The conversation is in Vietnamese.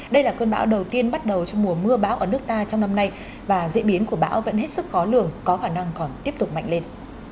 đây là cơn bão đầu tiên bắt đầu trong mùa mưa bão ở nước ta trong năm nay và diễn biến của bão vẫn hết sức khó lường có khả năng còn tiếp tục mạnh lên